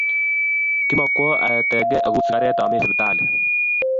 Kimakwo aetkei akul sikaret amii siptalit